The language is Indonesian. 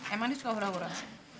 emang dia suka hurah hurah